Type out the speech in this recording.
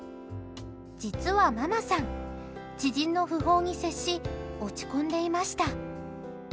実はママさん、知人の訃報に接し落ち込んでいました。